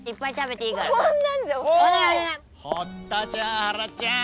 堀田ちゃんはらちゃん